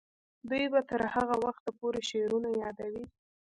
دوی به تر هغه وخته پورې شعرونه یادوي.